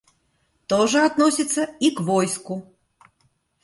То же относится и к войску.